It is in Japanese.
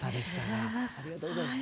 ありがとうございます。